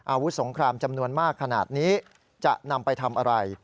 อาวุธสงครามจำนวนมากขนาดนี้จะนำไปทำอะไร